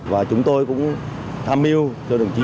và chúng tôi cũng tham mưu cho đồng chí